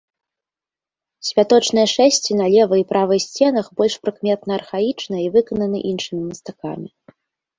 Святочныя шэсці на левай і правай сценах больш прыкметна архаічныя і выкананы іншымі мастакамі.